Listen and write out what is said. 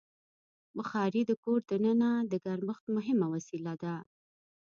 بخاري د کور دننه د ګرمښت مهمه وسیله ده.